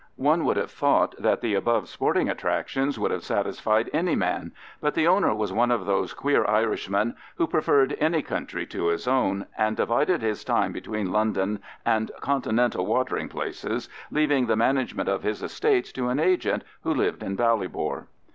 One would have thought that the above sporting attractions would have satisfied any man; but the owner was one of those queer Irishmen who preferred any country to his own, and divided his time between London and Continental watering places, leaving the management of his estates to an agent, who lived in Ballybor.